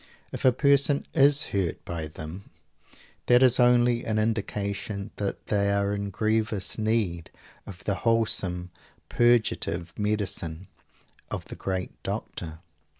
If a person is hurt by them, that is only an indication that they are in grievous need of the wholesome purgative medicine of the great doctor!